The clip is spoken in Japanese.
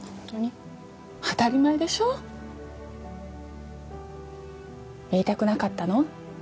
当たり前でしょ言いたくなかったの？